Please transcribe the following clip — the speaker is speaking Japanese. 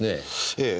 ええ。